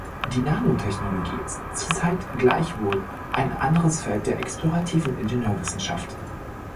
Die Nanotechnologie ist zurzeit gleichwohl ein anderes Feld der explorativen Ingenieurwissenschaft.